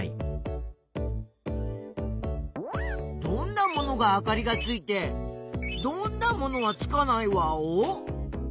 どんなものがあかりがついてどんなものはつかないワオ？